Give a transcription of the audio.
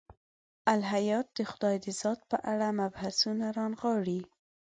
الهیات د خدای د ذات په اړه مبحثونه رانغاړي.